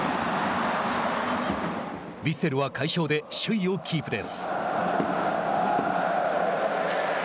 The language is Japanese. ヴィッセルは快勝で首位をキープです。